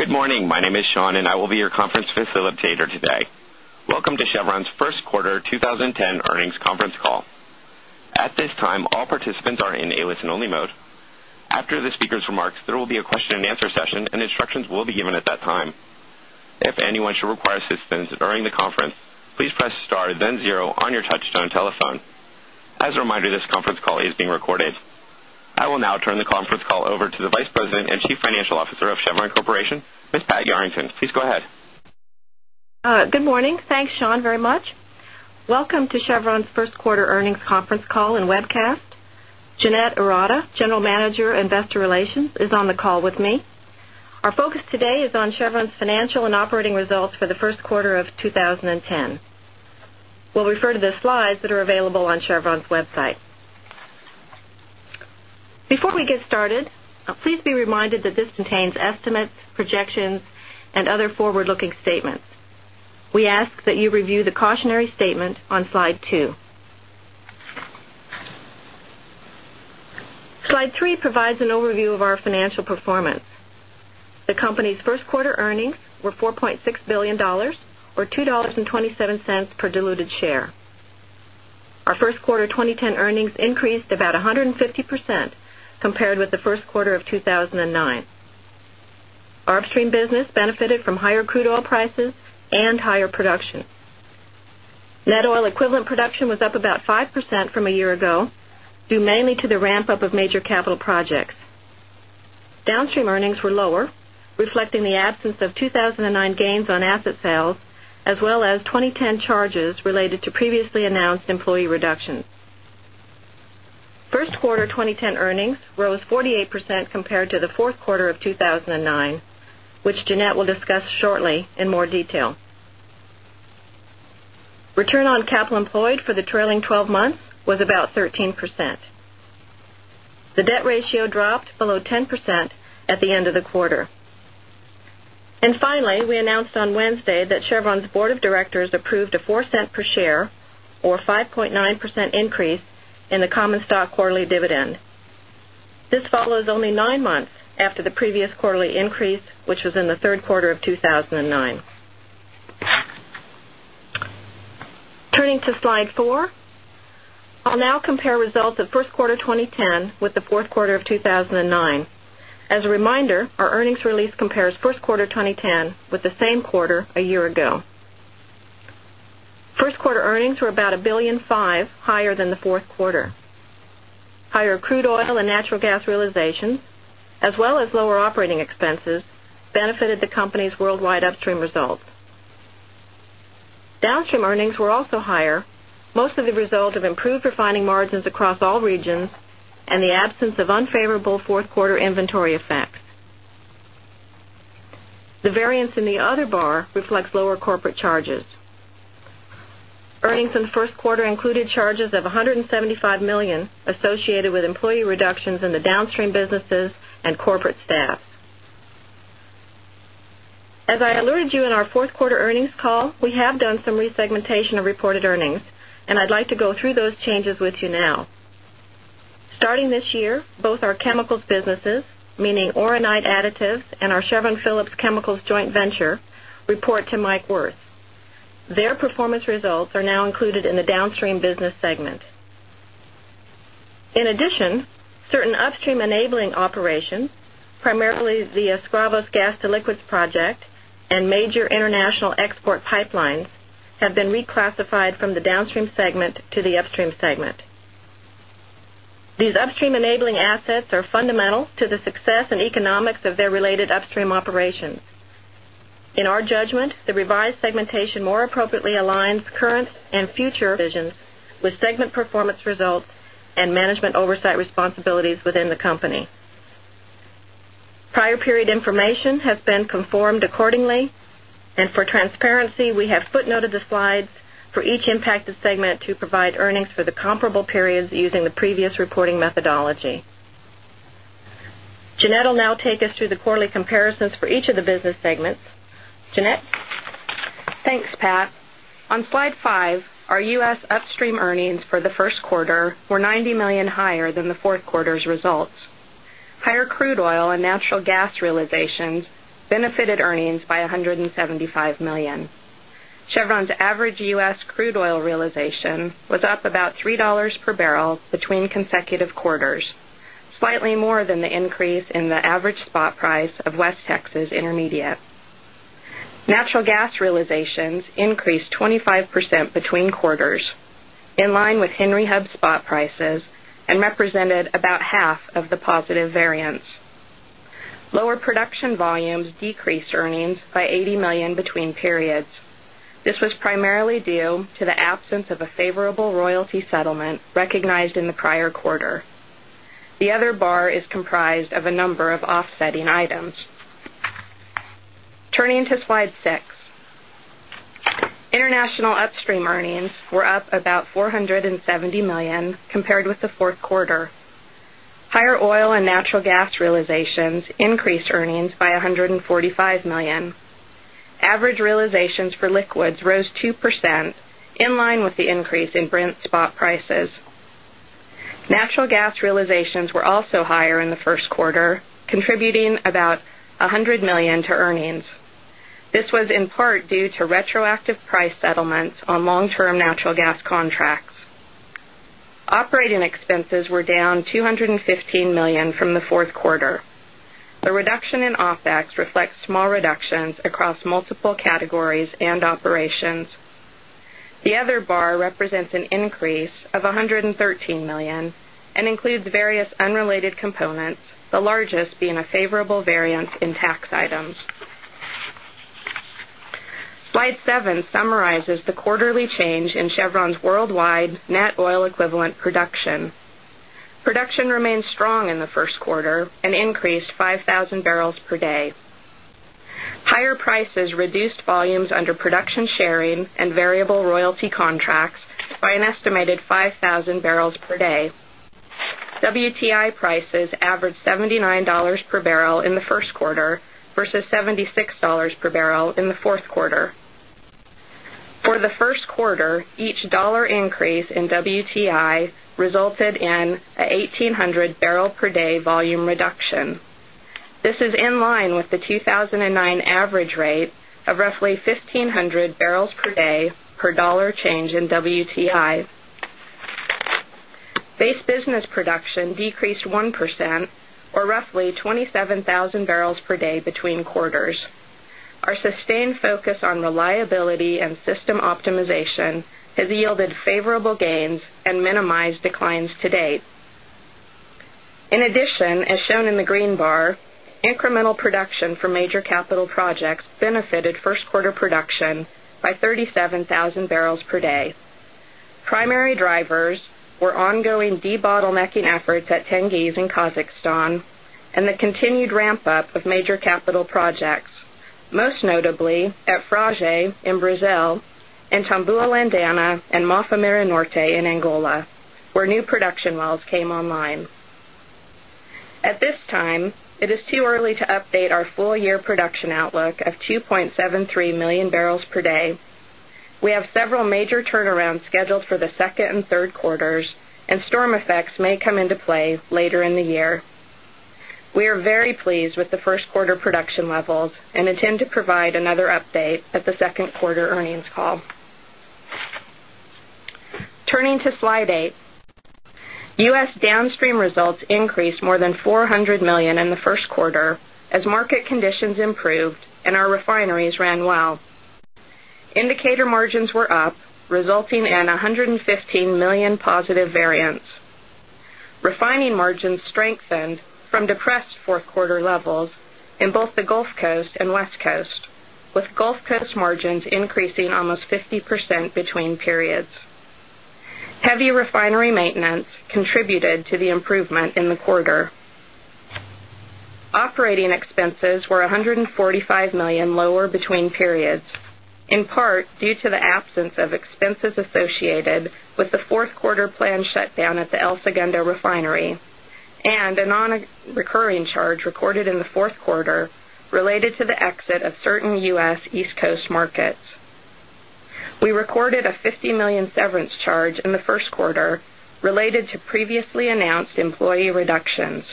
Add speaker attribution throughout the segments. Speaker 1: Good morning. My name is Sean, and I will be your conference facilitator today. Welcome to Chevron's First Quarter 2010 Earnings Conference Call. At this time, all participants are in a listen only mode. After the speakers' remarks, there will be a question and answer session and instructions will be given at that time. As a reminder, this conference I will now turn the conference call over to the Vice President and Chief Financial Officer of Chevron Corporation, Ms. Pat Yarrington.
Speaker 2: Good morning. Thanks, Sean, very much. Welcome to Chevron's Q1 earnings conference call and webcast. Jeanette Arata, General Manager, Investor Relations is on the call with me. Our focus today is on Chevron's financial and operating started, please be reminded that this contains estimates, projections and other forward looking statements. We ask that you review the cautionary statement on Slide 2. Slide 3 provides an overview of our financial performance. The company's Q1 earnings were $4,600,000,000 or $2.27 per diluted share. Our Q1 2010 earnings increased about 150% compared with the Q1 of 2,009. Our upstream business benefited from higher crude oil prices and higher production. Net oil equivalent production was up about 5% from a year ago due mainly to the ramp up of major capital projects. Downstream earnings were lower reflecting the absence of 2,009 gains on asset sales as well as 2010 charges related to previously announced employee reductions. 1st quarter 2010 earnings rose 48% compared to the Q4 of 2,009, which Jeanette will discuss shortly in more detail. Return on capital employed for the trailing 12 months was about 13%. The debt ratio dropped below 10% at the end of the quarter. And finally, we announced on Wednesday that Chevron's Board of Directors is only 9 months after the previous quarterly increase, which was in the Q3 of 2009. Turning to Slide 4. I'll now compare results of Q1 2010 with the Q4 of 2009. As a reminder, our earnings release compares Q1 2010 with the same quarter a year ago. 1st quarter earnings were about $1,500,000,000 higher than the 4th quarter. Higher crude oil and natural gas realization as well as lower operating expenses benefited the company's worldwide upstream results. Downstream earnings were also higher, mostly the result of improved refining margins across all regions and the absence of unfavorable 4th quarter inventory effects. The variance in the other bar reflects lower corporate charges. Earnings in the Q1 included charges of $175,000,000 associated with employee reductions in the downstream businesses and corporate staff. As I alluded you in our 4th quarter earnings call, we have done some resegmentation of reported earnings and I'd like to go through those changes with you now. Starting this year, both our chemicals businesses, meaning Auronide Additives and our Chevron Phillips Chemicals joint venture report to Mike Wirth. Their performance results are now included in the Downstream business segment. In addition, certain upstream enabling operations, primarily the Esquavos Gas to Liquids project and major international export pipelines have been reclassified from the Downstream segment to the Upstream segment. These upstream enabling assets are fundamental to the success and economics of their related upstream operations. In our judgment, the revised segmentation more appropriately aligns current and future visions with segment performance results and management oversight responsibilities within the company. Prior period information has been conformed accordingly. And for transparency, we have footnoted the for each impacted segment to provide earnings for the comparable periods using the previous reporting methodology. Jeanette will now take us through the quarterly comparisons for each of
Speaker 3: the business segments. Jeanette? Thanks, Pat. On Slide 5, our U. S. Upstream earnings for the Q1 were $90,000,000 higher than the 4th quarter's results. Average U. S. Crude oil realization was up about $3 per barrel between consecutive quarters, slightly more than the increase in the average spot price of West Texas Intermediate. Natural gas realizations increased 25% between quarters, in line with Henry Hub spot prices and represented about half of the positive variance. Lower production volumes decreased earnings by $80,000,000 between periods. This was primarily due to the absence of a favorable royalty settlement recognized in the prior The other bar is comprised of a number of offsetting items. Turning to Slide 6. International upstream earnings were up about $470,000,000 compared with the 4th quarter. Higher oil and natural gas realizations realizations increased earnings by $145,000,000 Average realizations for liquids rose 2% in line with
Speaker 2: about
Speaker 3: reflects small reductions across multiple categories and operations. The other bar represents an increase of $113,000,000 and includes various unrelated components, the largest being a favorable variance in tax items. Slide 7 summarizes the quarterly change in Chevron's worldwide net oil equivalent production. Production remains strong in the Q1 and increased 5 1,000 barrels per day. Higher prices reduced volumes under production sharing and variable royalty contracts by an estimated 5,000 barrels per day. WTI prices averaged $79 per barrel in the first quarter versus seventy $6 per barrel in the 4th quarter. For the Q1, each dollar increase in WTI resulted in a 1800 barrel per day volume reduction. This is in line with the 2,009 average rate of roughly 1500 barrels per day per dollar change in WTI. Base business production decreased 1% yielded favorable gains and minimized declines to date. In addition, as shown in the green bar, incremental production for major capital projects benefited 1st quarter production by 37,000 barrels per day. Primary drivers were ongoing debottlenecking efforts at Tengiz in Kazakhstan and the continued ramp up of major capital projects, most notably at Frage in Brazil and Tambula Landana and Mafa Mira Norte in Angola, where new production wells came online. At this time, it is too early to update our full year production outlook of 2,730,000 barrels per day. We have several major turnarounds scheduled for the 2nd and third quarters and storm effects may come into play later in the year. We are very pleased with the Q1 production levels and intend to provide another update at the Q2 earnings call. Turning to Slide 8. U. S. Downstream results increased more than $400,000,000 in the first quarter as market conditions Refining margins strengthened from depressed 4th quarter levels in both the Gulf Coast and West Coast with Gulf Coast margins increasing almost 50 Operating expenses were $145,000,000 lower between periods, in part due to the absence expenses associated with the 4th quarter planned shutdown at the El Segundo refinery and a non recurring charge recorded in the 4th quarter related to the exit of certain U. S. East Coast markets. We recorded a $50,000,000 severance charge in the Q1 related to previously announced employee reductions.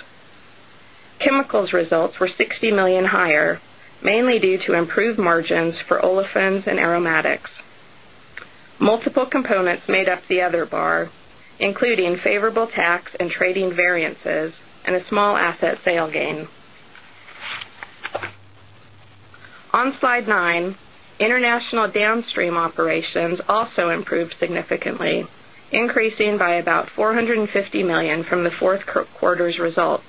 Speaker 3: Chemicals results were $60,000,000 higher, mainly due to improved margins for olefins and aromatics. Multiple components made up the other bar, On Slide 9, international downstream operations also improved significantly, increasing by about 4 $50,000,000 from the 4th quarter's results.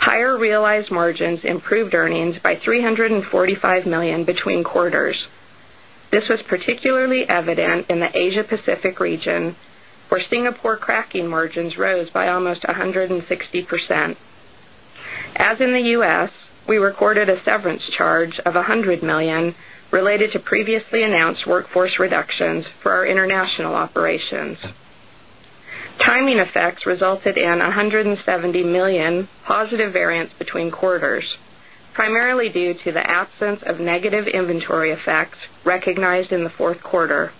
Speaker 3: Higher realized margins improved earnings by 3.40 160%. As in the U. S, we recorded a severance charge of $100,000,000 related to previously announced workforce reductions for our international operations. Timing effects resulted in $170,000,000 positive variance between quarters, primarily due to the absence of negative inventory effects recognized in the 4th quarter.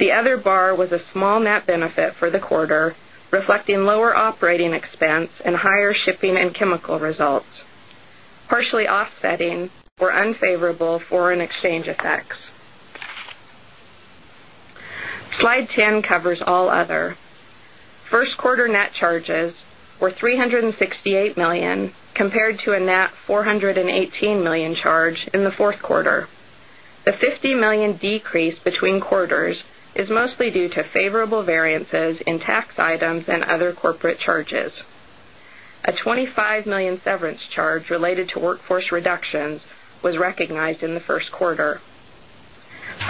Speaker 3: The other bar was a small net benefit for the quarter, reflecting lower operating expense and higher shipping and chemical results, partially quarter net charges were $368,000,000 compared to a net $418,000,000 charge in the 4th quarter. The $50,000,000 decrease between quarters is mostly due to favorable variances in tax items and other corporate charges. A 20 $5,000,000 severance charge related to workforce reductions was recognized in the Q1.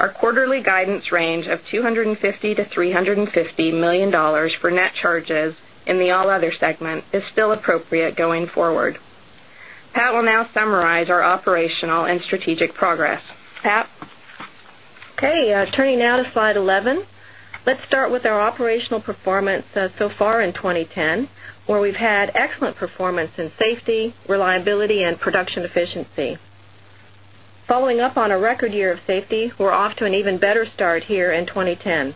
Speaker 3: Our quarterly guidance range of $250,000,000 to $350,000,000 for net charges in the all other segment is still appropriate going forward. Pat will now our operational and strategic progress.
Speaker 2: Pat? Okay. Turning now to Slide 11. Let's start with our operational performance so far in 2010, where we've had excellent performance in safety, reliability and production efficiency. Following up on a record year of safety, we're off to an even better start here in 2010.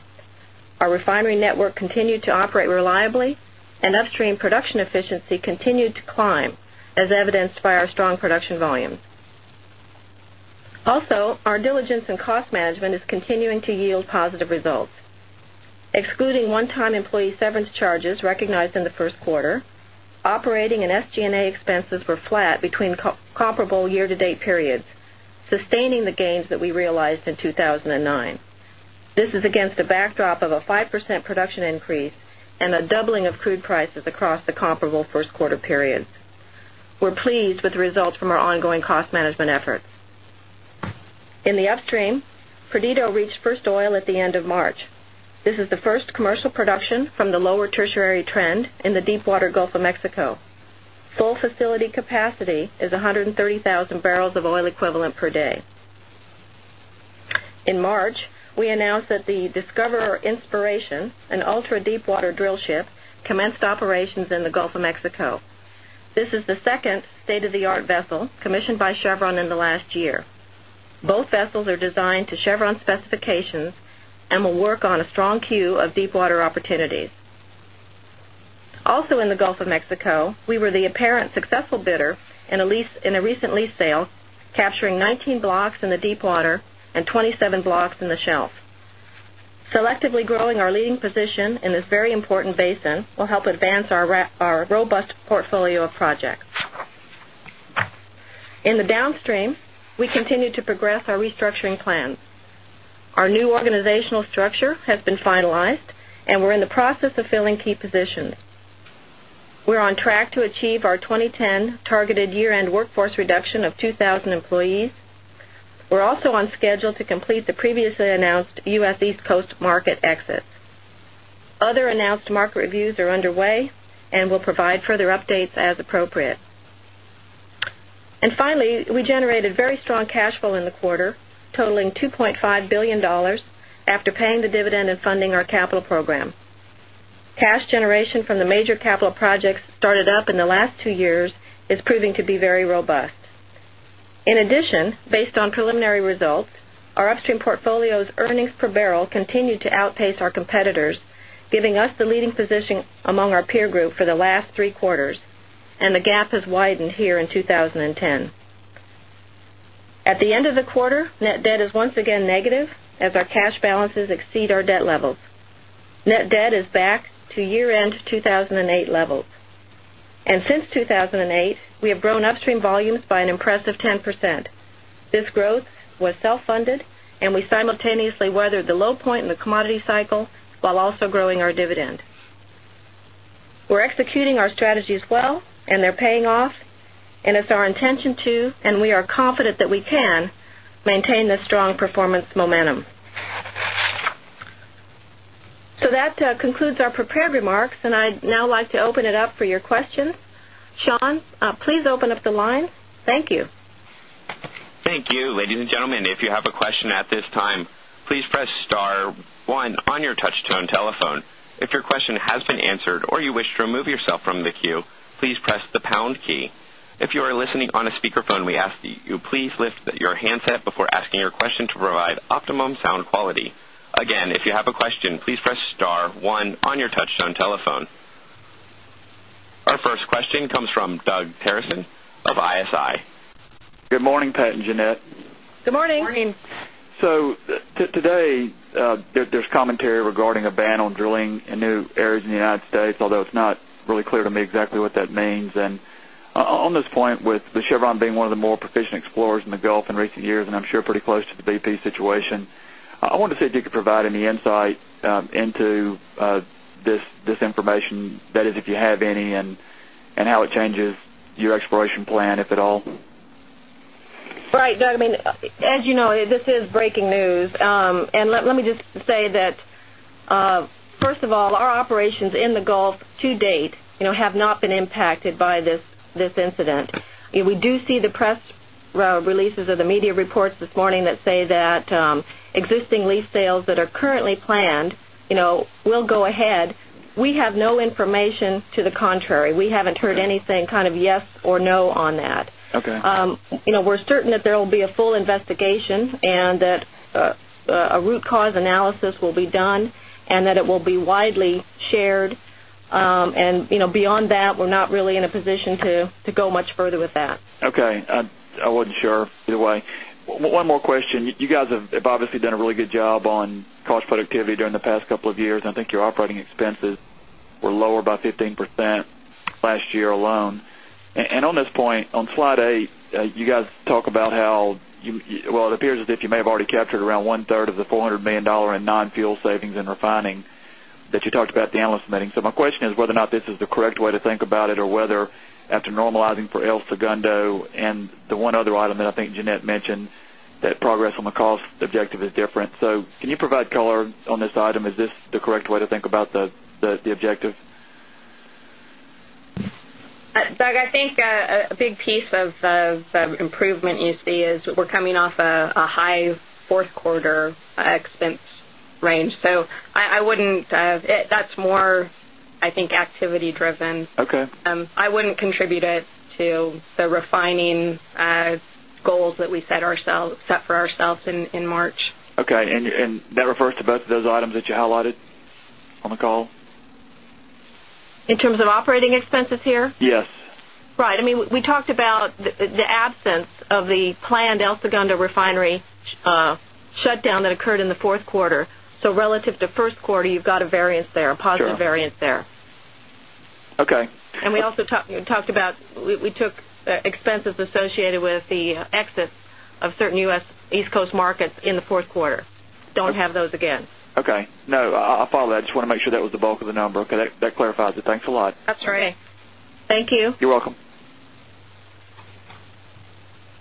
Speaker 2: Our refinery network continued to operate reliably and upstream production efficiency continued to climb as evidenced by our strong production volume. Also, our diligence and cost management is continuing to yield positive results. Excluding one time employee severance charges recognized in the Q1, operating and SG and A expenses were flat between comparable year to date periods, sustaining the gains that we realized in 2,000 and 9. This is against the backdrop of a 5% production increase and a doubling of crude prices across the comparable Q1 period. We're pleased with the results from our ongoing cost management efforts. In the upstream, Perdido reached 1st oil at the end of March. This is the first commercial production from the lower tertiary trend in the deepwater Gulf of Mexico. Sole facility capacity is 130,000 barrels of oil equivalent per day. In March, we announced that the Discoverer Inspiration, an ultra deepwater drillship, commenced operations in the Gulf of Mexico. This is the 2nd state of the art vessel commissioned by Chevron in the last year. Both vessels are designed to Chevron specifications and will work on a strong queue of deepwater opportunities. Also in the Gulf of Mexico, we were the apparent successful bidder in a our leading position in this very important basin will help advance our robust portfolio of projects. In the Downstream, we continue to progress our restructuring plan. Our new organizational structure has been finalized and we're in the process of filling key We're on track to achieve our 2010 targeted year end workforce reduction of 2,000 employees. We're also on schedule to complete the as appropriate. And finally, we generated very strong cash flow in the quarter, totaling 2,500,000,000 dollars after paying the dividend and funding our capital program. Cash generation from the major capital projects started up in the last two years is proving to be very robust. In addition, based on preliminary results, our upstream portfolio's earnings per barrel continued to outpace our competitors, giving us the leading position among our peer group for the last three quarters and the gap has widened here 2010. At the end of the quarter, net debt is once again negative as our cash balances exceed our debt levels. Net debt is back to year end 2,008 levels. And since 2,008, we have grown upstream volumes by an impressive 10%. This growth was self funded and we simultaneously weathered the low point in the commodity cycle while also growing our dividend. We're executing our strategies well and they're paying off. And it's our intention to and we are confident that we can maintain this strong performance momentum. So that concludes our prepared remarks and I'd now like to open it up for your questions. Sean, please open up the line.
Speaker 1: Our first question comes from Doug Terreson of
Speaker 2: Good morning. Good morning.
Speaker 4: So today, there's commentary regarding a ban on drilling in new areas in the United States, although it's not really clear to me exactly what that means. And on this point with the Chevron being one of the more proficient explorers in the Gulf in recent years and I'm sure pretty close to the BP situation. I wanted to see if you could provide any insight into this information that is if you have any and how it changes your exploration plan if at all?
Speaker 2: Right, Doug. I mean, as you know, this is breaking news. And let me just say that, first of all, our operations in the Gulf to date have not been impacted by this incident. We do see the press releases of the media reports this morning that say that existing lease sales that are currently planned will go ahead. We have no information to the contrary. We haven't heard anything kind of yes or no on that. We're certain that there will be a full investigation and that a root cause analysis will be done and that it will be widely shared. And beyond that, we're not really in a position to go much further with that.
Speaker 4: Okay. I wasn't sure either way. One more question. You guys have obviously done a really good job on cost productivity during the past couple of years. I think your operating expenses were lower by 15% last year alone. And on this point, on Slide 8, you guys talk about
Speaker 5: how well, it appears as
Speaker 4: if you may have already captured around 1 third of the $400,000,000 in non fuel savings in refining that you talked about the Analyst Meeting. So my question is whether or not this is the correct way to think about it or whether after normalizing for El Segundo and the one other item that I think Jeanette mentioned that progress on the cost objective is different. So can you provide color on this item? Is this the correct way to think about the objective?
Speaker 3: Doug, I think a big piece of improvement you see is we're coming off a high 4th quarter expense range. So I wouldn't that's more, I think, activity driven. I wouldn't contribute it to the refining goals that we set ourselves set for ourselves in March.
Speaker 4: Okay. And that refers to both of those items that you highlighted on the call?
Speaker 2: In terms of operating expenses here?
Speaker 4: Yes.
Speaker 2: Right. I mean, we talked about the absence of the planned El Segundo refinery shutdown that occurred in the Q4. So relative to Q1, you've got a variance there, a positive
Speaker 4: variance there.
Speaker 6: Okay.
Speaker 2: And we also talked about we took expenses associated with the excess of certain U. S. East markets in the Q4. Don't have those again.
Speaker 5: Okay. No, I follow that.
Speaker 4: I just want to make sure that was the bulk of the number. Okay, that clarifies it. Thanks lot.
Speaker 2: That's right. Thank you.
Speaker 4: You're welcome.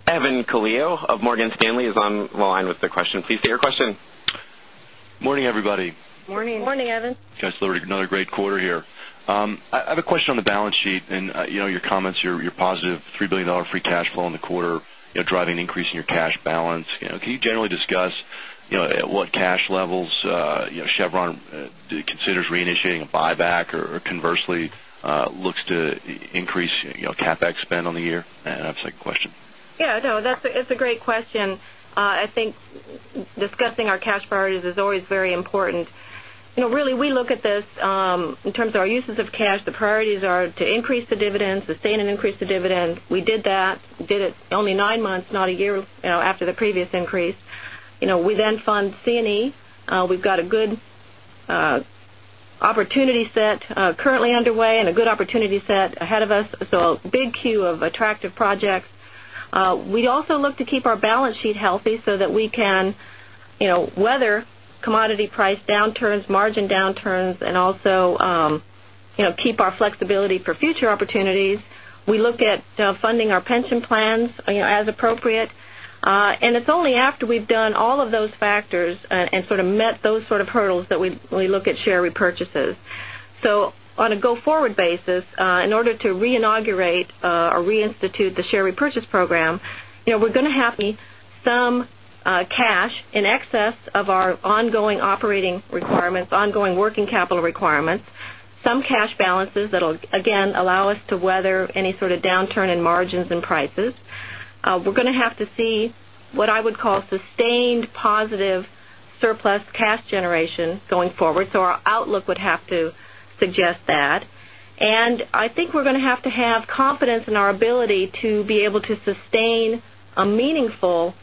Speaker 1: Evan Calleo of Morgan Stanley is on the line with the question. Please state your question. Good morning, everybody.
Speaker 2: Good morning. Good morning, Evan.
Speaker 7: Another great quarter here. I have a question on the balance sheet and your comments, your positive $3,000,000,000 free cash flow in the quarter, driving an increase in your cash balance. Can you generally discuss what cash levels Chevron considers reinitiating a buyback or conversely looks to increase CapEx spend on the year? And I have the second question.
Speaker 2: Yes. No, that's a great question. I think priorities is always very important. Really, we look at this in terms of our uses of cash, the priorities are to increase the dividend, sustain and increase the the dividends. We did that, did it only 9 months, not a year after the previous increase. We then fund C and E. We've got a good opportunity set currently underway and a good opportunity set ahead of us. So a big queue of attractive projects. We'd also look to keep our balance sheet flexibility for future opportunities. We look at funding our pension plans as appropriate. And it's only after we've done all of those factors and sort of met those sort of hurdles that we look at share repurchases. So on a go forward basis, in order to reinogurate or reinstitute the share repurchase program, we're going to have some cash in excess of our ongoing operating prices. We're going to have to see what I would call sustained positive surplus cash generation going forward. So our outlook would have to suggest that. And I think we're going to have to have confidence in our ability to be able to sustain meaningful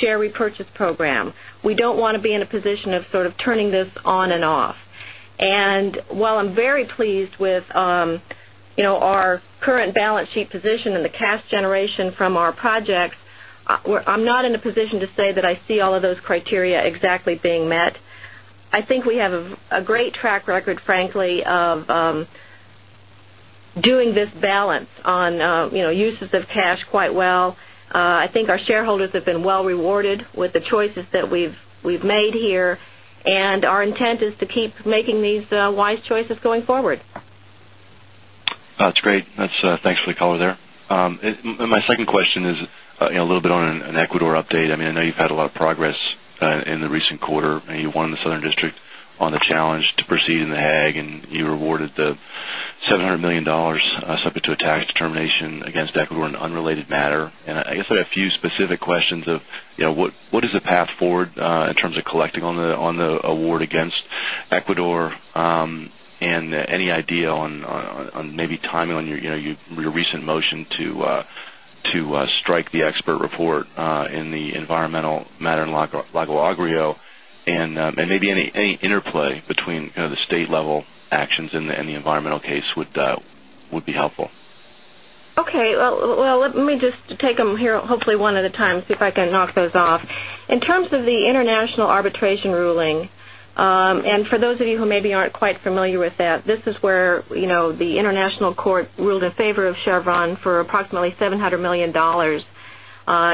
Speaker 2: share repurchase program. We don't want to be in a position of sort of turning this on and off. And while I'm very pleased with our current balance sheet position and the cash generation from our projects, I'm not in a position to say that I see all of those criteria exactly being met. I think we have a great track record, frankly, of doing this balance on uses of cash quite well. I think our shareholders have been well rewarded with the choices that we've made here. And our intent is to
Speaker 7: a question is a little bit on an Ecuador update. I mean, I know you've had a lot of progress in the recent quarter and you won the Southern District on the challenge to proceed in the HAG and you were awarded the $700,000,000 subject to a tax determination against Ecuador Ecuador? And any idea on maybe timing on your recent motion to strike the expert report in the environmental matter in Lagoagrio and maybe any interplay between the state level actions and the environmental case would be helpful.
Speaker 2: Okay. Well, let me just take them here hopefully one at a time, see if I can knock those off. In terms of the international arbitration ruling, and for those of you who maybe aren't quite familiar with that, this is where the international court ruled a favor of Chevron for approximately $700,000,000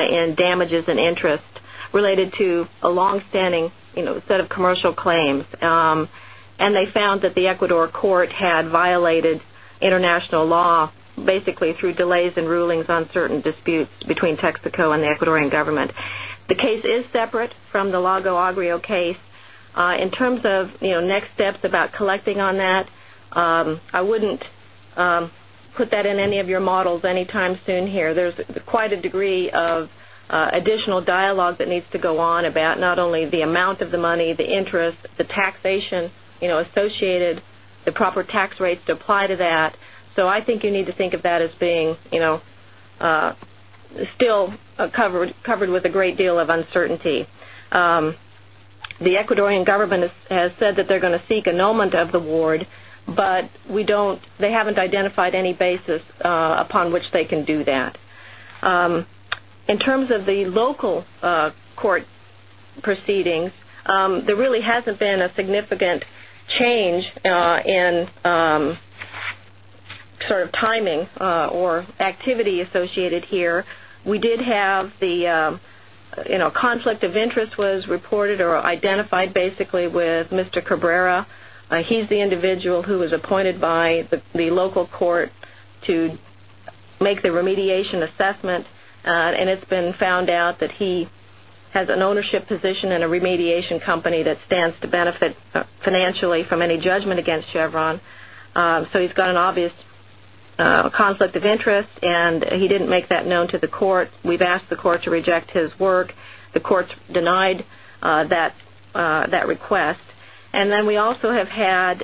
Speaker 2: in damages and interest related to a long standing set of commercial claims. And they found that the Ecuador court had violated international law basically through delays and rulings on certain disputes between Texaco and the Ecuadorian government. The case is separate from the Lago Agrio case. In terms of next steps about collecting on that, I wouldn't put that in any of your models anytime soon here. There's quite a degree proper tax rates to apply to that. So I think you need to think of that as being still covered with a great deal of uncertainty. The Ecuadorian government has said that they're going to seek annulment of the ward, but we don't they haven't identified any basis upon which they can do that. In terms of the local court proceedings, there really hasn't been a significant change in sort of timing identified basically with Mr. Cabrera. He's the individual who was appointed by the local court to make the remediation assessment. And it's been found out that he has an ownership position in a remediation company that stands to benefit financially from any judgment against Chevron. So he's got an obvious conflict of interest and he didn't make that known to the court. We've asked the court to reject his work. The courts denied that request. And then we also have had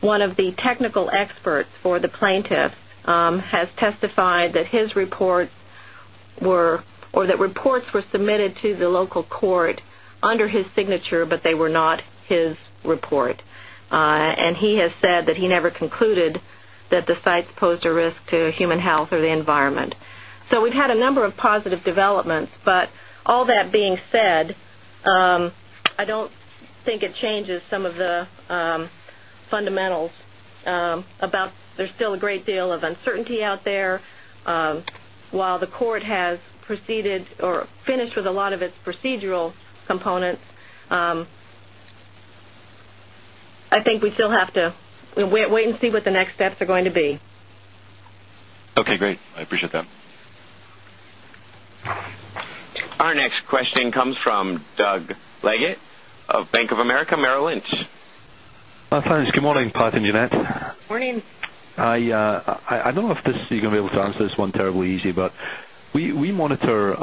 Speaker 2: one of the technical experts for the plaintiff has testified that his reports were or that reports were submitted to the local court under his signature, but they were not his report. And he has said that he never concluded that the sites posed a risk to human health or the environment. So we've had a number of positive developments. But all that being said, I don't think it changes some of the finished with a lot of its procedural components, I think we still have to wait and see what the steps are going to be.
Speaker 7: Okay, great. I appreciate that.
Speaker 1: Our next question comes from Doug Leggate of Bank of America Merrill Lynch.
Speaker 5: Hi, thanks. Good morning, Pat and Yanet.
Speaker 2: Good morning.
Speaker 5: Hi. I don't know if this you're going to be able to answer this one terribly easy, but we monitor,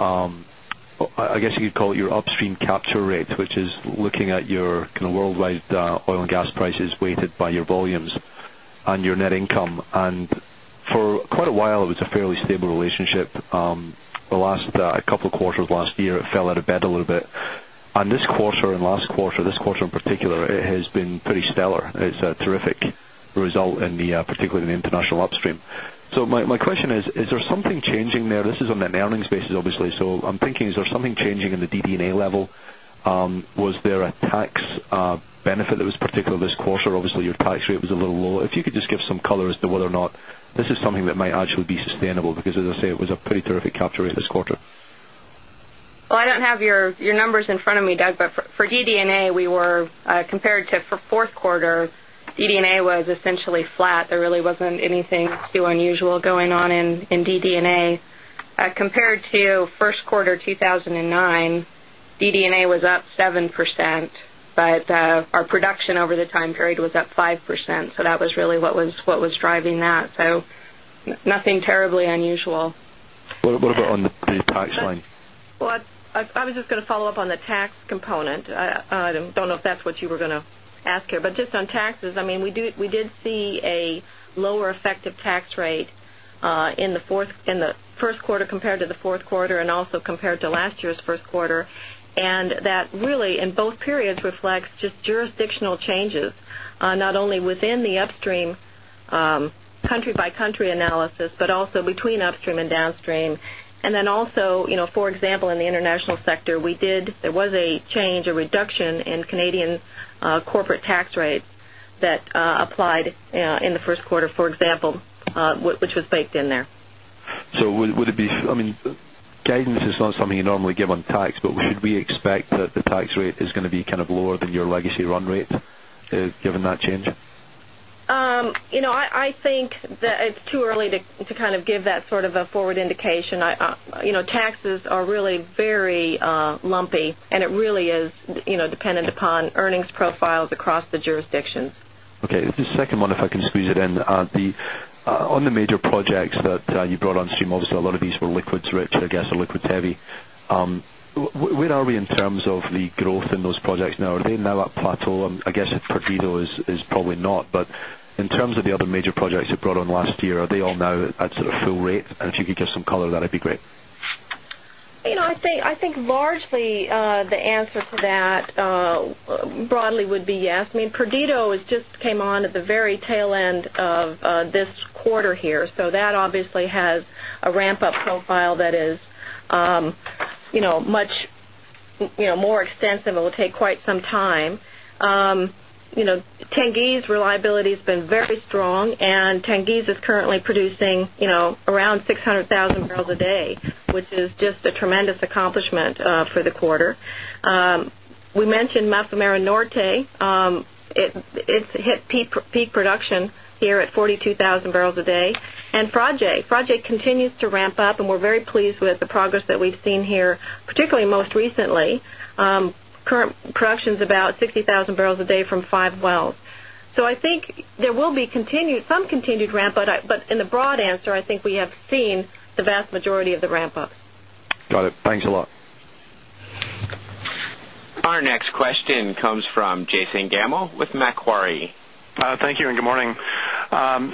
Speaker 5: I guess you could call it your upstream capture rate, which is looking at your kind of worldwide oil and gas prices weighted by volumes and your net income. And for quite a while, it was a fairly stable relationship. The last couple of quarters last year, it fell out of bed a little bit. And this quarter and last quarter, this quarter in particular, it has been pretty stellar. It's a terrific result in the particularly in the international upstream. So my question is, is there something changing there? This is on net earnings basis obviously. So I'm thinking is there something changing in the DD and A level? Was there a tax benefit that was particularly this quarter? Obviously, your tax rate was a little low. If you could just give some color as to whether or not this is something that might actually be sustainable because as I say, it was a pretty terrific capture rate this quarter?
Speaker 3: Well, I don't have your numbers in front of me, Doug. But for DD and A, we were compared to for Q4, DD and A was essentially flat. There really wasn't anything too unusual going on in DD and A. And A. Compared to Q1 2019, DD and A was up 7%, but our production over the time period was up 5%. So that was really what was driving that. So nothing terribly unusual.
Speaker 5: What about on the tax line?
Speaker 2: Well, I was just going to follow-up on the tax component. I don't know if that's what you were going to ask here. But just on taxes, I mean, we did see a lower effective tax rate in the Q1 compared to the Q4 and also compared to last year's Q1. And that really in both periods reflects just jurisdictional changes, not only within the upstream country by country analysis, but also between upstream and downstream. And then also, country analysis, but also between upstream and downstream. And then also, for example, in the international sector, we did there was a change, a reduction in Canadian corporate tax rate that applied in the Q1, for example, which was baked in there.
Speaker 5: So would it be I mean, guidance is not something you normally give on tax, but should we expect that the tax rate is going to be kind of lower than your legacy run rate given that change?
Speaker 2: I think that it's too early to kind of give that sort of a forward indication. Taxes are really very lumpy and it really is dependent upon earnings profiles across the jurisdictions.
Speaker 5: Okay. Just second one, if I can squeeze it in. On the major projects that you brought on stream, obviously, a lot of these were liquids rich, I guess, or liquid heavy. Where are we in terms of the growth in those projects now? Are they now at plateau? I guess, Perfido is probably not. But in terms of the other major projects you brought on last year, are they all now at sort of full rate? And if you could give some color,
Speaker 2: that would be great. I think largely the answer to that broadly would be yes. I mean, Perdido just came on at the very tail end of this quarter here. So that obviously has a ramp up profile that is much more extensive. It will take quite some time. Just a tremendous accomplishment for the quarter. We mentioned Massimera Norte, it's hit peak production here at 42,000 barrels a day. And Frage, Frage continues to ramp up and we're very pleased with the progress that we've seen here, particularly most recently. Production is about 60,000 barrels a day from 5 wells. So I think there will be continued some continued ramp up. But in the broad answer, I think we have seen the vast majority of the ramp up.
Speaker 5: Got it. Thanks a lot.
Speaker 1: Our next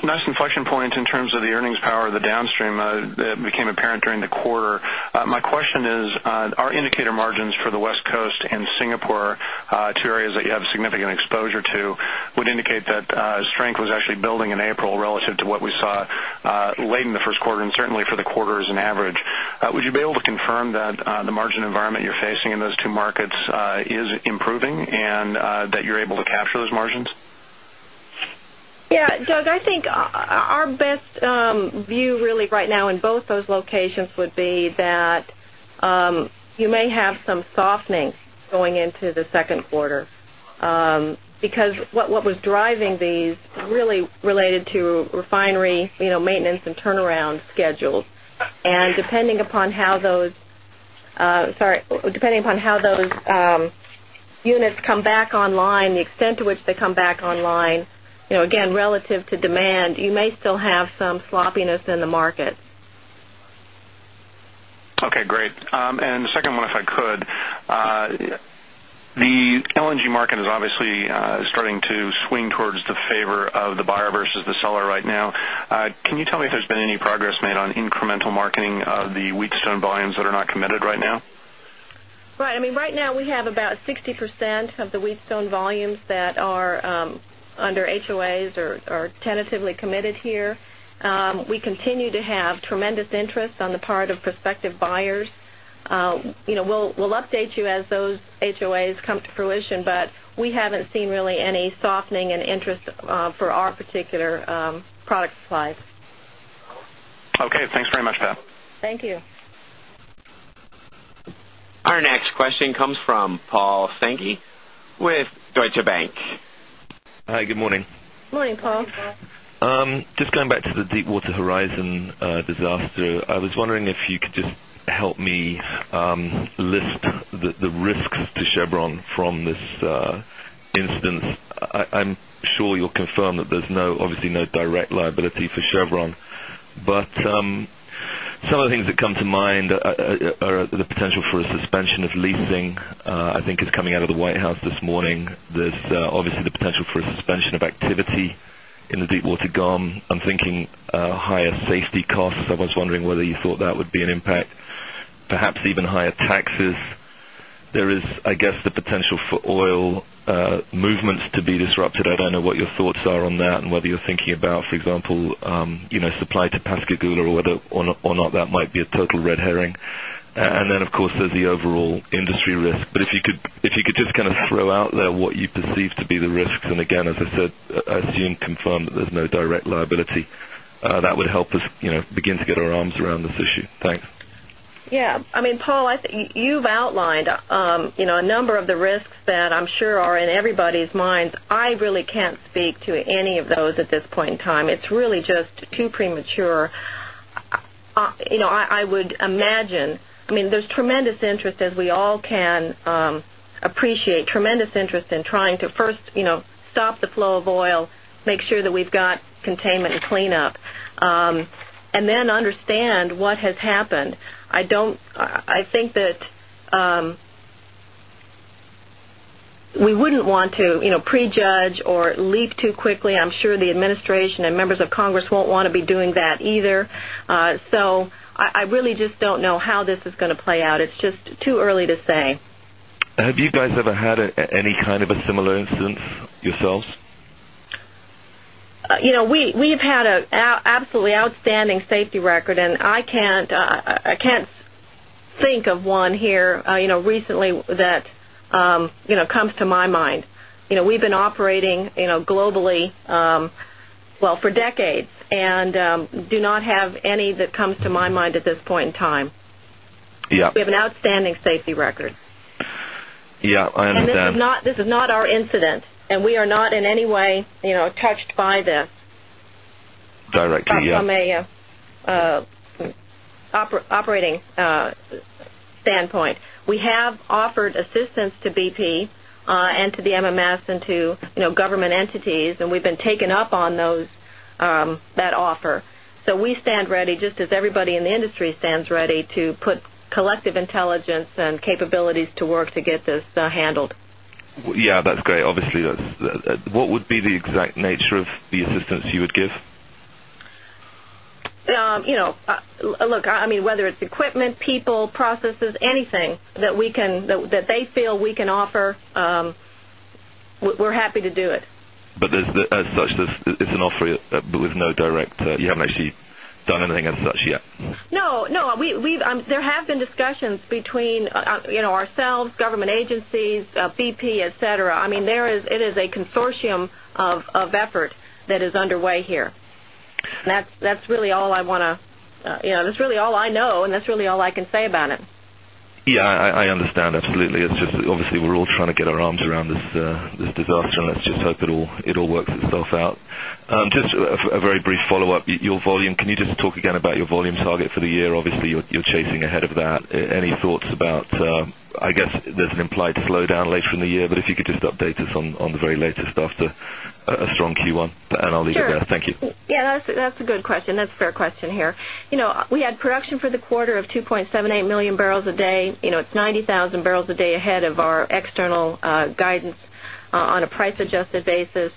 Speaker 8: Nice inflection point in terms of the earnings power of the Downstream that became apparent during the quarter. My question is, are indicator margins for the West Coast and Singapore, 2 areas that you have significant exposure to, would indicate that strength was actually building in April relative to what we saw late in the Q1 and certainly for the quarter as an average. Would you be able to confirm that the margin environment you're facing in those two markets is improving and that you're able to capture those margins?
Speaker 2: Yes. Doug, I think our best view really right now in both those locations would be that you may have some softening going into the second quarter because what was driving these really related to refinery maintenance and turnaround schedules. And depending upon how those units come back online, the extent to which they come back online, again relative to demand, you may still have some sloppiness in the market.
Speaker 8: Okay, great. And the second one if I could. The LNG market is obviously starting to swing towards the favor of the buyer versus the seller right now. Can you tell me if there's been any progress made on incremental marketing of the Wheatstone volumes that are not committed right now?
Speaker 2: Right. I mean, right now, we have about 60 percent of the Wheatstone volumes that are under HOAs or tentatively committed here. We continue to have tremendous interest on the part of prospective buyers. We'll update you as those HOAs come to fruition, but we haven't seen really any softening in interest for our particular product slides.
Speaker 8: Okay. Thanks very much, Pat.
Speaker 2: Thank you.
Speaker 1: Our next question comes from Paul Sankey with Deutsche Bank.
Speaker 9: Hi, good morning.
Speaker 2: Good morning, Paul.
Speaker 9: Just going back to the Deepwater Horizon disaster, I was wondering if you could just help me list the risks to Chevron from this instance. I'm sure you'll confirm that there's no obviously no direct liability for Chevron, but some of the things that come to mind are the potential for a suspension of leasing, I think is coming out of the White House this morning. There's obviously the potential for a suspension of activity in the Deepwater GOM. I'm thinking higher safety costs. I was wondering whether you thought that would be an impact, perhaps even higher taxes. There is, I guess, the potential for oil movements to be disrupted. I don't know what your thoughts are on that and whether you're thinking about, for example, supply to Pascagoula or whether or not that might be a total red herring. And then of course there's the overall industry risk. But if you could just kind of throw out there what you perceive to be the risks. And again, as I said, assume confirm that there's no direct liability that would help us begin to get our arms around this issue. Thanks.
Speaker 2: Yes. I mean, Paul, you've outlined a number of the risks that I'm sure are in everybody's minds. I really can't speak to any of those at this point in time. It's really just too premature. I would imagine I mean, there's tremendous interest as we all can appreciate, tremendous interest in trying to first stop the flow of oil, make sure that we've got containment and cleanup, want prejudge or leap too quickly. I'm sure the administration and members of Congress won't want to be doing that either. So I really just don't know how this is going to play out. It's just too early to
Speaker 9: say. Have you guys ever had any kind of a similar yourself?
Speaker 2: We've had an absolutely outstanding safety record and I can't think of one here recently that comes to my mind. We've been operating globally, well, for decades and do not have any that comes to my mind at this point in time. We have
Speaker 6: an outstanding safety record.
Speaker 1: Yes, I
Speaker 2: understand. This is not our incident and we are not in any way touched by this.
Speaker 9: Directly,
Speaker 2: from a operating standpoint. We have offered assistance to BP and to the MMS and to government entities, and we've been taken up on those that offer. So we stand ready just as everybody in the industry stands ready to put collective intelligence and capabilities to work to get this handled.
Speaker 9: Yes, that's great. Obviously, what would be the exact nature of the assistance you would give?
Speaker 2: Look, I mean, whether it's equipment, people, processes, anything that we can that they feel we can offer, we're happy to do it.
Speaker 9: But as such, it's an offer with no direct you haven't actually done anything as such yet?
Speaker 2: No, no. There have discussions between ourselves, government agencies, BP, etcetera. I mean, there is it is a consortium of effort that is underway here. That's really all I want to that's really all I know and that's really all I can say about it.
Speaker 9: Yes, I understand. Absolutely. It's just obviously we're all trying to get our arms around this disaster and let's just hope it all works itself out. Just a very brief follow-up, your volume, can you just talk again about your volume target for the year? Obviously, you're chasing ahead of that. Any about, I guess, there's an implied slowdown later in the year, but if you could just update us on the very latest after a strong Q1? And I'll leave that. Thank you.
Speaker 2: Yes, that's a good question. That's a fair question here. We had production for the quarter of 2,780,000 barrels a day. It's 90,000 barrels a day ahead of our external guidance on a price adjusted basis.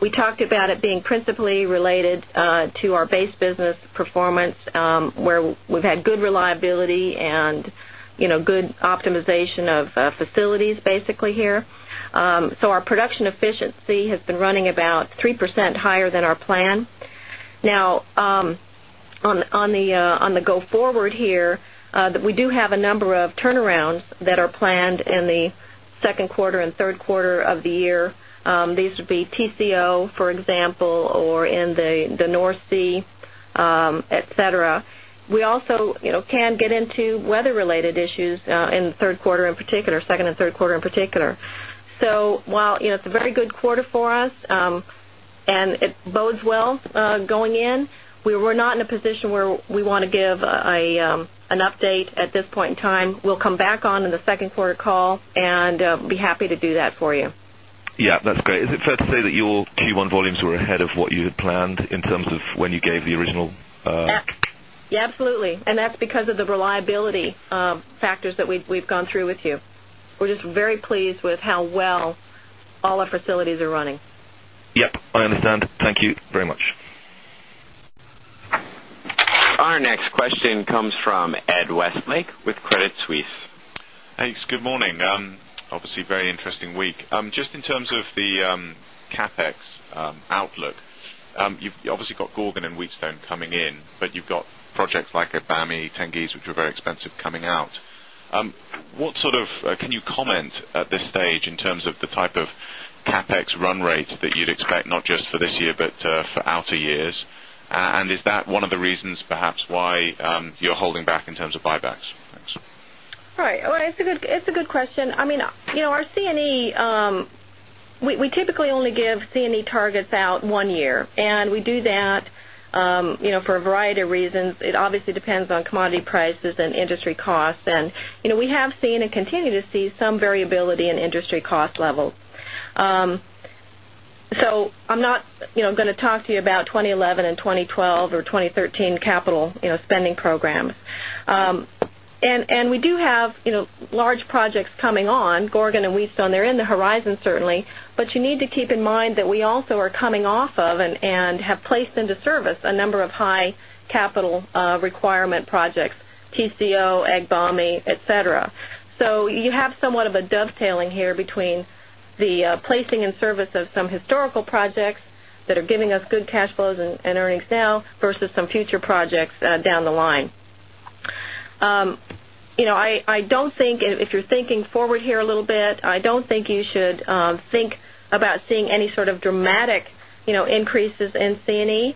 Speaker 2: We talked about it being principally related to our base business performance where we've had good reliability and good optimization of facilities basically here. So our production efficiency has been running about 3% higher than our plan. Now on the go forward here, we do have a number of turnarounds that are planned in the etcetera. We also can get into weather related issues in Q3 in particular, 2nd Q3 in particular. So while it's a good quarter for us and it bodes well going in, we were not in a position where we want to give an update this point in time. We'll come back on in the Q2 call and be happy to do that for you.
Speaker 9: Yes, that's great. Is it fair to say that your Q1 volumes were ahead of what you had planned in terms of when you gave the original?
Speaker 2: Yes, absolutely. And that's because of the reliability factors that we've gone through with you. We're just very pleased with how well all our facilities are running.
Speaker 1: Our next question comes from Ed Westlake with Credit Suisse.
Speaker 10: Thanks. Good morning. Obviously, very interesting week. Just in terms of the CapEx outlook, you've obviously got Gorgon and Wheatstone coming in, but you've got projects like Abami, Tengiz, which were very expensive coming out. What sort of can you comment at this stage in terms of the type of CapEx run rate that you'd expect not just for this year, but for outer years? And is that one of the reasons perhaps why you're holding back in terms of buybacks?
Speaker 2: All right. It's a good question. I mean, our C and E, we typically only give C and E targets out 1 year. And we do that for a variety of industry cost levels. So I'm not going to talk to you about 2011 and 20 12 or 2013 capital spending And we do have large projects coming on, Gorgon and Wheatstone, they're in the horizon certainly, but you need to keep in mind that we also are coming off of and have placed into service a number of high capital requirement if
Speaker 6: you're thinking forward here a little bit, I
Speaker 2: don't think you should think if you're thinking forward here a little bit, I don't think you should think about seeing any sort of dramatic increases in C and E.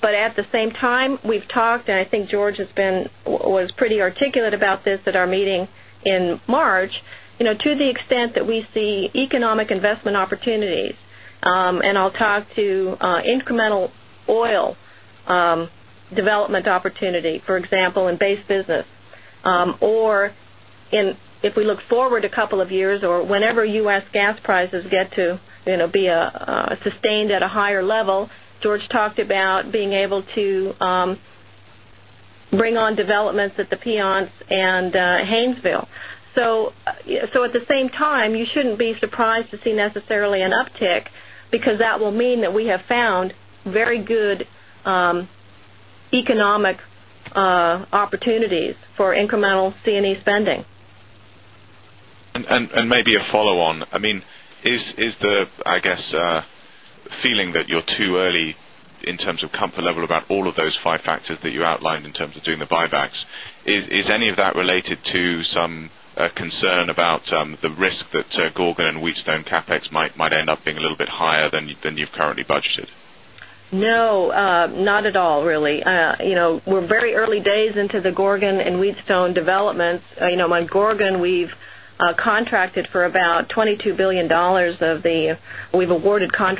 Speaker 2: But at the same time, we've talked and I think George has been was pretty articulate about this at our meeting in March. To the extent that we see economic investment opportunities, and I'll talk to incremental oil development opportunity, for example, in base business. Or if we look forward a couple of years or whenever U. S. Gas prices get to be sustained at a higher level, George talked about being able to bring on developments at the Piance and Haynesville. So at the same time, you shouldn't be surprised to see necessarily an uptick because that will mean that we have found very good economic opportunities for incremental C and E spending.
Speaker 10: And maybe a follow on. I mean, is the, I guess, feeling that you're too early in terms of comfort level about all of those five factors that you outlined in terms of doing the buybacks. Is any of that related to some concern about the risk that Gorgon and Wheatstone CapEx might end up being a little bit higher than you've currently
Speaker 2: budgeted? No, not at all really. We're very early days into the Gorgon and Wheatstone developments. On Gorgon, we've contracted for about $22,000,000,000 of the we've awarded early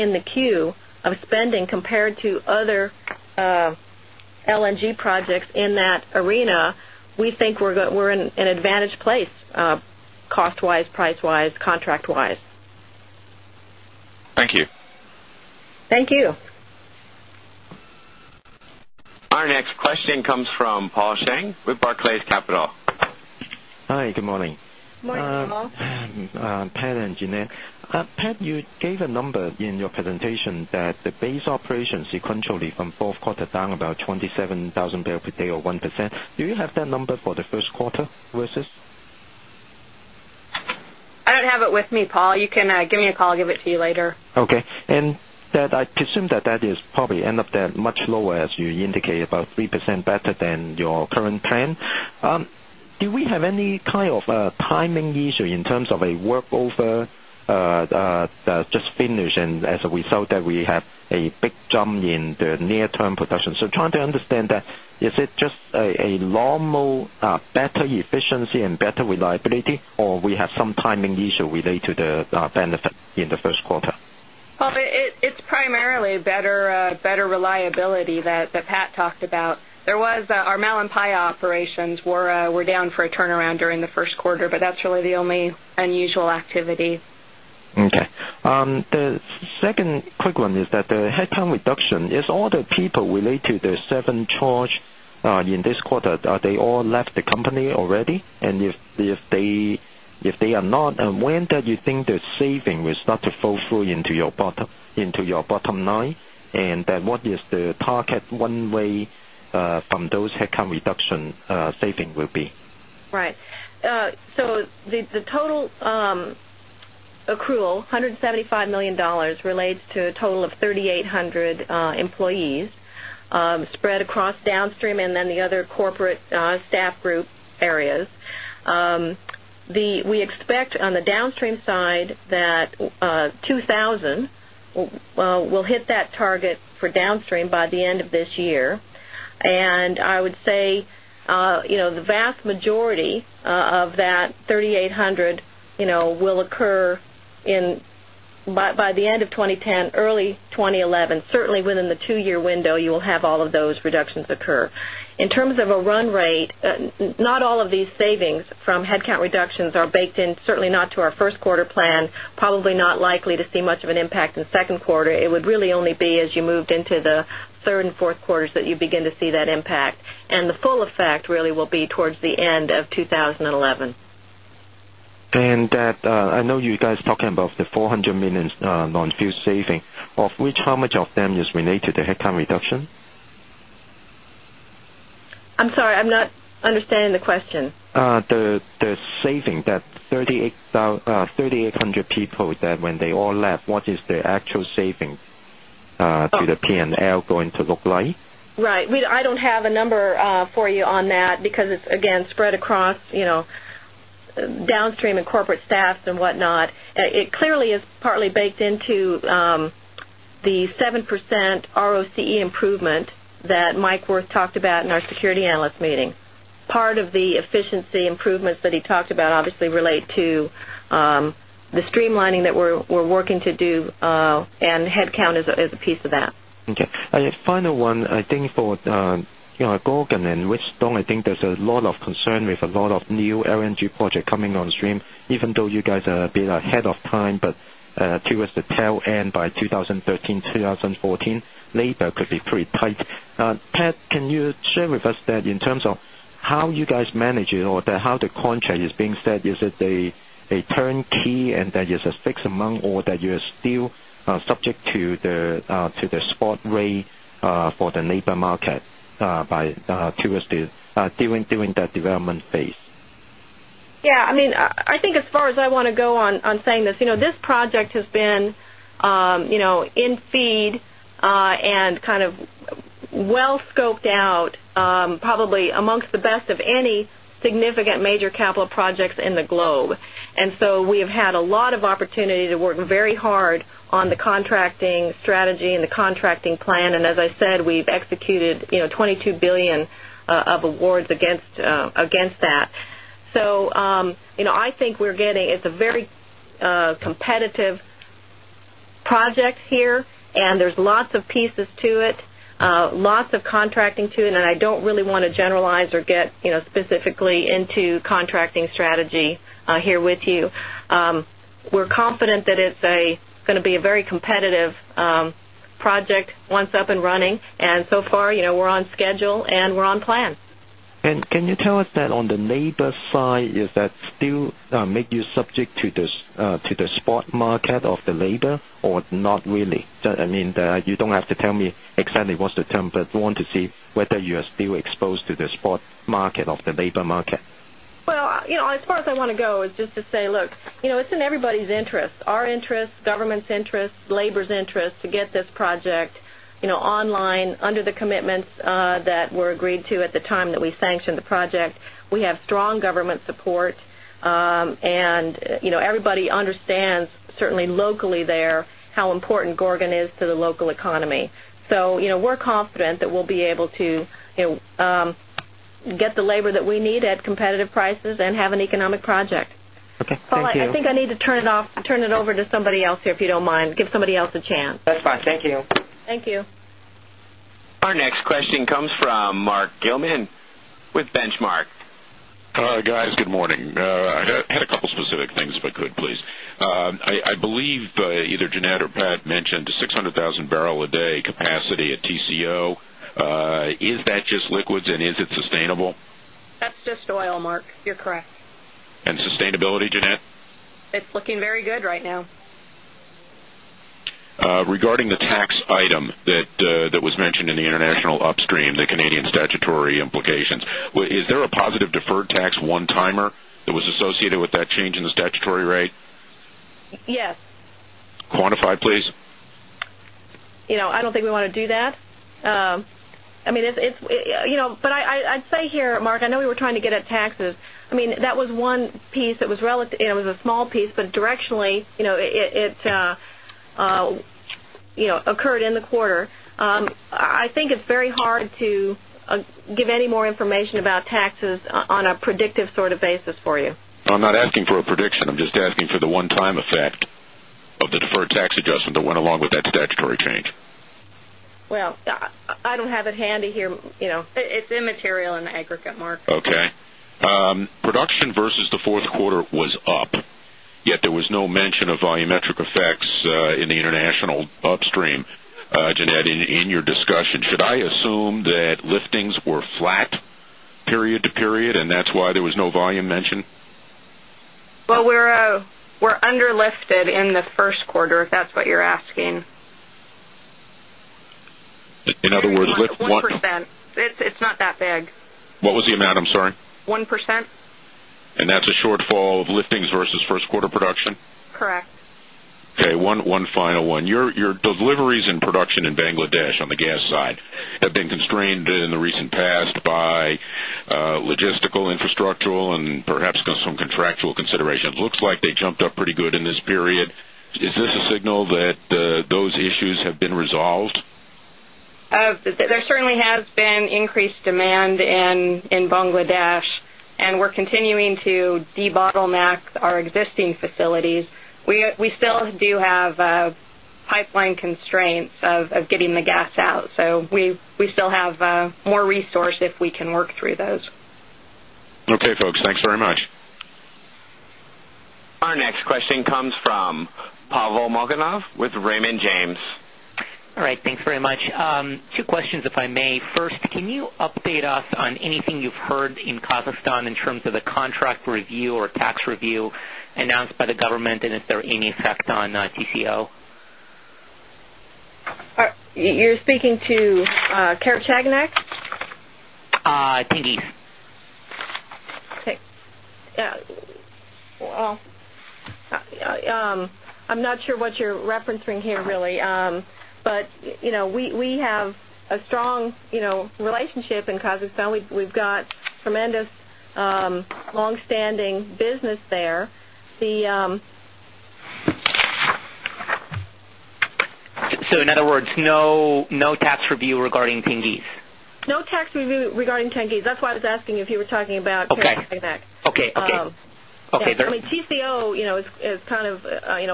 Speaker 2: in the queue of spending compared to other LNG projects in that arena, we think we're in an advantage place, cost wise, price wise, contract wise.
Speaker 1: Our next question comes from Paul Cheng with Barclays Capital.
Speaker 11: Hi, good morning.
Speaker 2: Good morning,
Speaker 11: Paul. Pat and Jeanette, Pat, you gave a number in your presentation that the base operation sequentially from 4th quarter down about 27,000 barrels per day or 1%. Do you have that number for the Q1 versus?
Speaker 3: I don't have it with me, Paul. You can give me a call, give it to you later.
Speaker 11: And I presume that that is probably end of that much lower as you indicated about 3% better than your current plan. Do we have any kind of timing issue in terms of a work over just finish and as we saw that we have a big jump in near term production. So trying to understand that, is it just a normal better efficiency and better reliability or we have some timing issue related to the benefit in the Q1?
Speaker 3: It's primarily better reliability that Pat talked about. There was our Malinpaya operations were down for a turnaround during the Q1, but that's really the only unusual activity.
Speaker 11: Okay. The second quick one is that the headcount reduction, is all the people related to the 7 charge in this quarter, are they all left the company already? And if they are not, when do you think the saving will start to fall through into your bottom line? And what is the target one way from those headcount reduction saving will be?
Speaker 2: Right. So the total accrual, dollars 175,000,000 relates to a total of 3,800 employees spread across downstream and then the other corporate staff group areas. We expect on the downstream side that 2,000 will hit that target for downstream by the end of this year. And I would say, the vast majority of that 3,800 will occur in by the end of 2010, early 2011. Certainly, within the 2 year window, you will have all of those reductions occur. In terms of a run rate, not all of these savings from headcount reductions are baked in certainly not to our Q1 plan, probably not likely to see much of an impact in the second quarter. It would really only be as you moved into the 3rd and 4th quarters that you begin to see that impact and the full effect really will be towards the end of 2011.
Speaker 11: And that I know you guys talking about the 400,000,000 non fuel saving, of which how much of them is related to headcount reduction?
Speaker 2: I'm sorry, I'm not understanding the question.
Speaker 11: The saving that 3,800 people that when they all left, what is the actual savings to the P and L going to look like?
Speaker 2: Right. I don't have a number for you on that because it's again spread across downstream and corporate staffs and whatnot. It clearly is partly baked into the 7% ROCE improvement that Mike Wirth talked about in our security analyst meeting. Part of the efficiency improvement that he talked about obviously relate to the streamlining that we're working to do and headcount is a piece of that.
Speaker 11: Okay. Final one, I think for Gorgon and Rich Dong, I think there's a lot of concern with a lot of new LNG project coming on stream, even though you guys are ahead of time, but towards the tail end by 2013, 2014 labor could be pretty tight. Pat, can you share with us that in terms of how you guys manage it or how the contract is being set? Is it a turnkey and that is a fixed amount or that you are still subject to the spot rate for the labor market by Q3 during the development phase?
Speaker 2: Yes. I mean, I think as far as I want to go on saying this, this project has been in feed and kind of well scoped out, probably amongst the best of any significant major capital projects in the globe. And so we have had a lot of opportunity to work very hard on the contracting strategy and the contracting plan. And as I said, we've executed $22,000,000,000 of awards against that. So I think we're getting it's a very competitive project here and there's lots of contracting to it. And I don't really want to generalize or get specifically into contracting strategy here with you. We're confident that it's going to be a very competitive project once up and running. And so far, we're on schedule and we're on plan.
Speaker 11: And can you tell us that on the labor side, is that still make you subject to the spot market of the labor
Speaker 12: or not really?
Speaker 11: I mean, you don't market of the labor or not really? I mean, you don't have to tell me exactly what's the term, but I want to see whether you are still exposed to the spot market of the labor market?
Speaker 2: Well, as far as I want to go is just to say, look, it's in everybody's interest, our interest, government's interest, labor's interest to get this project online under the commitments that were agreed to at the time that we sanctioned the project. We have strong government support and everybody understands certainly locally there how important Gorgon is to the local economy. So we're confident that we'll be able to get the labor that we need at competitive prices and have an economic project. Paul, I think I need to turn it off turn it over to somebody else here, if you don't mind, give somebody else a chance. That's fine. Thank you. Thank you.
Speaker 1: Our next question comes from Mark Gillman with Benchmark. Guys, good morning. I had
Speaker 6: a couple of specific things if I could please. I believe either Jeanette or Pat mentioned a day capacity at TCO. Is that just liquids and is it sustainable?
Speaker 3: That's just oil, Mark. You're correct.
Speaker 6: And sustainability, Jeanette?
Speaker 3: It's looking very good right now.
Speaker 6: Regarding the tax item that was mentioned in the international upstream, the Canadian statutory implications, is there a positive deferred tax one timer that was but I'd say here,
Speaker 2: Mark, I
Speaker 6: know we were trying
Speaker 2: to get at taxes. I mean, but I'd say here, Mark, I know we were trying to get at taxes. I mean, that was one piece that was relative and it was a small piece, but directionally, it occurred in the quarter. I think it's very hard to give any more information about taxes on a predictive sort of basis for you?
Speaker 6: I'm not asking for a prediction. I'm just asking for the one time effect of the deferred tax adjustment that went along with that statutory change. Production versus the Q4 was up, yet there was no mention of volumetric effects in the international upstream. Jeanette, in your discussion, should I assume that liftings were flat period to period and that's why there was no volume mentioned?
Speaker 3: Well, we're under lifted in the Q1, if that's what you're asking.
Speaker 6: In other words, lift 1?
Speaker 3: 1%. It's not that big.
Speaker 6: What was the amount? I'm sorry.
Speaker 3: 1%.
Speaker 6: And that's a shortfall of liftings versus Q1 production?
Speaker 2: Correct.
Speaker 6: Okay. One final one. Your deliveries in production in Bangladesh on the gas side have been constrained in the recent past by logistical infrastructural and perhaps some contractual considerations. Looks like they jumped up pretty good in this period. Is this a signal that those issues have been resolved?
Speaker 3: There certainly has been increased demand in Bangladesh, and we're continuing to debottleneck our existing facilities. We still do have pipeline constraints of getting the gas out. So we still have more resource if we can work through those.
Speaker 6: Okay, folks. Thanks very much.
Speaker 1: Our next question comes from Pavel Molchanov with Raymond James.
Speaker 12: All right. Thanks very much. Two questions if I may. First, can you update us on anything you've heard in Kazakhstan in terms of the contract review or tax review announced by the government? And is there any effect on TCO?
Speaker 2: You're speaking to Kerkzaknak?
Speaker 12: T
Speaker 2: I'm not sure what you're referencing tremendous long standing business there. We've got tremendous long standing business there.
Speaker 12: So in other words, no tax review regarding Tengiz?
Speaker 2: No tax review regarding Tengiz. That's why I was asking if you were talking about TCO is kind of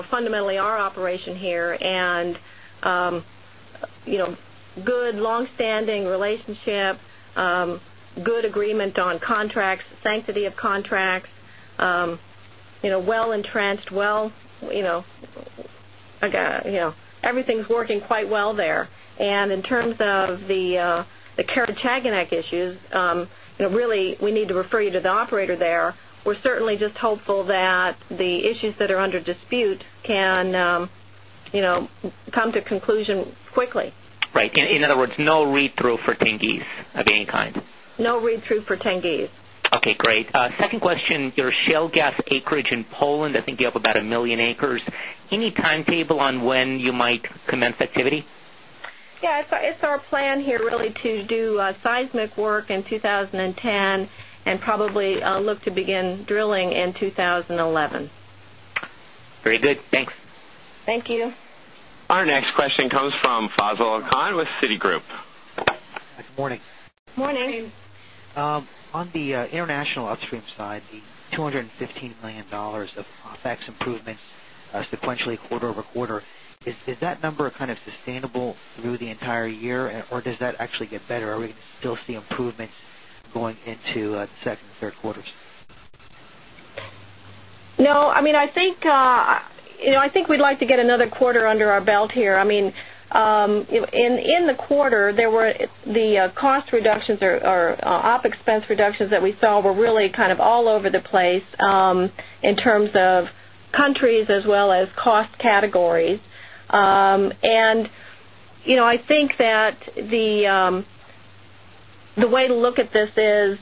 Speaker 2: fundamentally our operation here and good long standing relationship, good agreement on contracts, sanctity of contracts, well entrenched, well everything is working quite well there. And in terms of the karategonec issues, really, we need to refer you to the operator there. We're certainly just hopeful that the issues that are under dispute can come to conclusion quickly.
Speaker 12: Right. In other words, no read through for Tengiz of any kind?
Speaker 2: No read through for Tengiz.
Speaker 12: Okay, great. Second question, your shale gas acreage in Poland, I think you have about 1,000,000 acres. Any timetable on when you might commence activity?
Speaker 2: Yes. It's our plan here to do seismic work in 2010 and probably look to begin drilling in 2011.
Speaker 1: Very good. Our next question comes from Fazil Al Khan with Citigroup.
Speaker 13: Good morning. On the international upstream side, the $215,000,000 of OpEx improvement sequentially quarter over quarter, Is that number kind of sustainable through the entire year? Or does that actually get better? Are we going to still see improvements going into the second and third quarters?
Speaker 2: No. I mean, I think we'd like to get another quarter under our belt here. I mean, in the quarter, there were the cost reductions or op expense reductions that we saw were really kind of all over the place in terms of countries as well as cost categories. And I think that the way to look at this is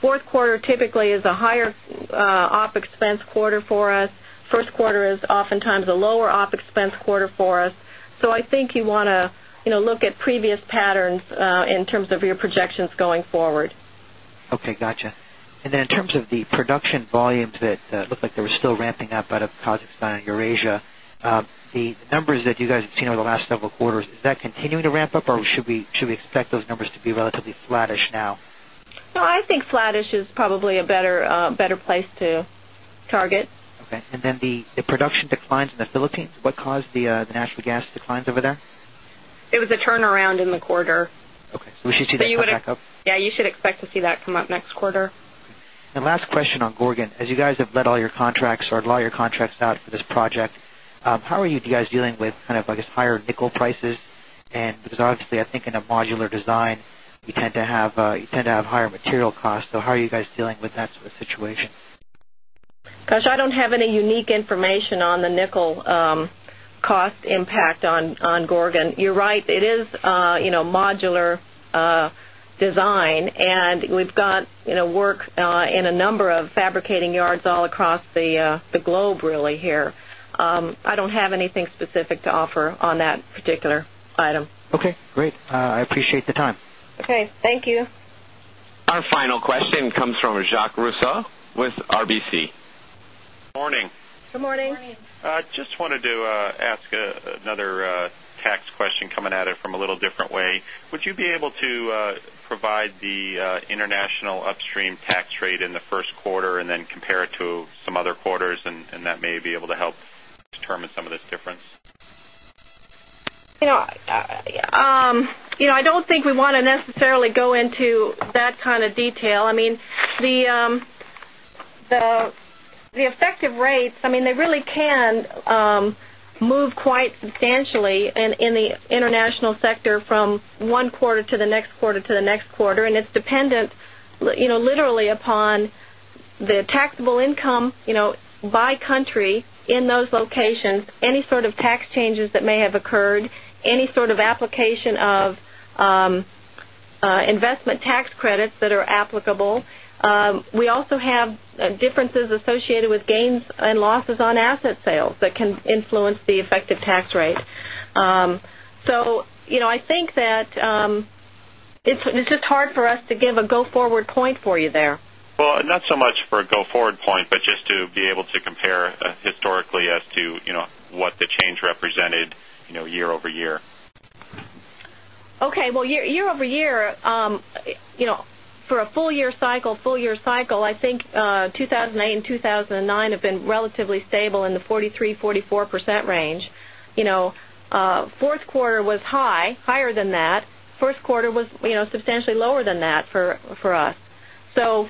Speaker 2: 4th quarter typically is a higher op expense quarter for us. 1st quarter is oftentimes a lower op expense quarter for us. So I think you want to look at previous patterns in terms of your projections going forward.
Speaker 13: Okay, got you. And then in terms of the production volumes that look like they were still ramping up out of Kazakhstan and Eurasia, the numbers that you guys have seen over the last several quarters, is that continuing to ramp up or should we expect those numbers to be relatively flattish now?
Speaker 2: No, I think flattish is probably a better place to target.
Speaker 13: Okay. And then the production declines in the Philippines, what caused the natural gas declines over there?
Speaker 3: It was a turnaround in the quarter.
Speaker 13: Okay. So we should see
Speaker 2: that back
Speaker 3: up? Yes, you should expect to see that come up next quarter.
Speaker 13: And last question on Gorgon. As you guys have led all your contracts or a lot of your contracts out for this project, how are you guys dealing with kind of I guess higher nickel prices? And because obviously I think in a modular design you tend to have higher material costs. So how are you guys dealing with that sort of situation? Gosh, I don't
Speaker 2: have any unique information on the nickel cost impact on Gorgon. You're right, it is modular design. And we've got work in a number of fabricating yards all across the globe really here. I don't have anything specific to offer on that particular item.
Speaker 13: Okay, great.
Speaker 2: I appreciate the time. Okay. Thank you.
Speaker 1: Our final question from Jacques Rousseau with RBC. Good morning.
Speaker 2: Good morning.
Speaker 14: Just wanted to ask another tax tax question coming at it from a little different way. Would you be able to provide the international upstream tax rate in the Q1 and then compare it to some other quarters and that may
Speaker 2: necessarily we want to necessarily go into that kind of detail. I mean, the effective rates, I mean, they really can move quite substantially in the international sector from 1 quarter to the next quarter to the next quarter, and it's dependent literally upon the taxable income by country in those locations, any sort of tax changes that may have occurred, any sort of application of investment tax credits that are applicable. We also have differences just hard for us to give a go forward point for you there.
Speaker 14: Well, not so much for a go forward point, but just to be able to compare historically as to what change represented year over year?
Speaker 2: Okay. Well, year over year, for a full year cycle, I think 2,008, 2009 have been relatively stable in the 43%, 44% range. 4th quarter was high, higher than that. Q1 was substantially lower than that for us. So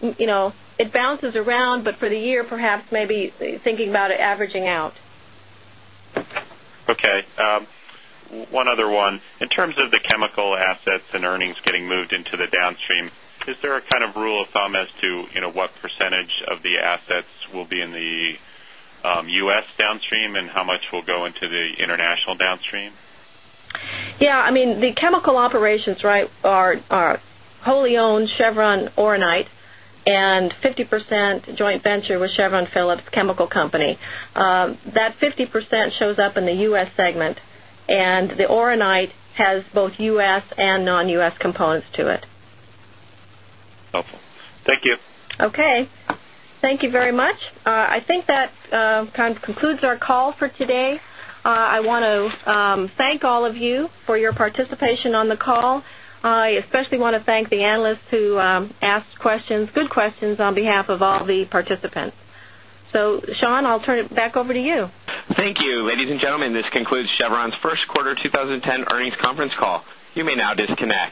Speaker 2: it bounces around, but for the year perhaps maybe thinking about it averaging out.
Speaker 14: Okay. One other one. In terms of downstream, is there a kind of rule of thumb as to what percentage of the assets will be in the U. S. Downstream and how much will go into the international downstream?
Speaker 2: Yes. I mean the chemical operations, right, are wholly owned Chevron Oronite and 50% joint venture with Chevron Phillips Chemical Company. That 50% shows up in the U. S. Segment, and the oronite has both U. S. And non U. S. Components to it. Okay. Thank you very much. I think that concludes our call for today. I want to thank all of you for your participation on the call. I especially want to thank the analysts who asked good questions on behalf of all the participants. So Sean, I'll turn it back over to you.
Speaker 1: Thank you. Ladies and gentlemen, this concludes Chevron's Q1 2010 earnings conference call. You may now disconnect.